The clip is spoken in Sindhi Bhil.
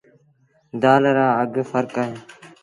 دآل رآ اگھ ڦرڪ اهيݩ ۔